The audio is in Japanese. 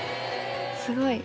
すごい。